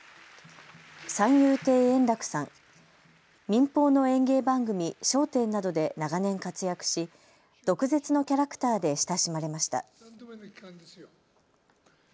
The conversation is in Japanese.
民放の演芸番組、笑点などで長年活躍し毒舌のキャラクターで親しまれました。